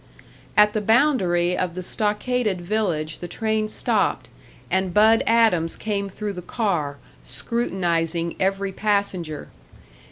At the boundary of the stockaded village the train stopped, and Bud Adams came through the car, scrutinising every passenger.